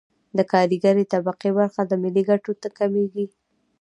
د کارګرې طبقې برخه له ملي ګټو کمېږي